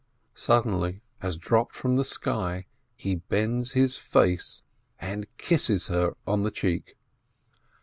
Suddenly, as dropt from the sky, he bends his face, and kisses her on the cheek.